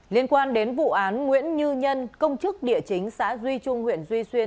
liên quan đến vụ án nguyễn như nhân công chức địa chính xã duy trung huyện duy xuyên